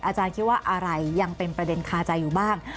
อาจารย์คิดว่าอะไรยังเป็นประเด็นคาใจอยู่บ้าง